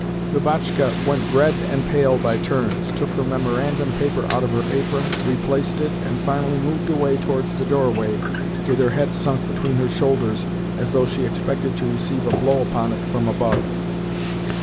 Lubotshka went red and pale by turns, took her memorandum paper out of her apron, replaced it, and finally moved away towards the doorway with her head sunk between her shoulders as though she expected to receive a blow upon it from above.